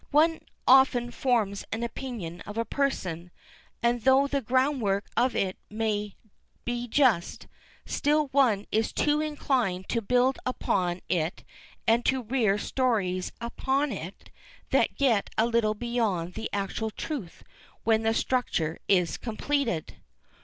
"One often forms an opinion of a person, and, though the groundwork of it may be just, still one is too inclined to build upon it and to rear stories upon it that get a little beyond the actual truth when the structure is completed."